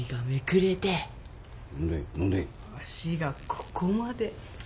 足がここまで。